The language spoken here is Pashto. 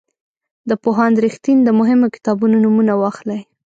د پوهاند رښتین د مهمو کتابونو نومونه واخلئ.